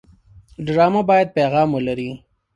ډرامه باید پیغام ولري